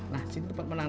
nah sini tempat menanam